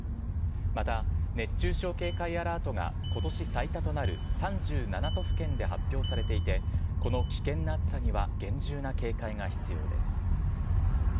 また、熱中症警戒アラートがことし最多となる３７都府県で発表されていて、この危険な暑さには厳重な警戒が必要です。